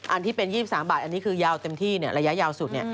อันที่เป็น๒๓บาทอันนี้คือยาวเต็มที่ระยะยาวสุด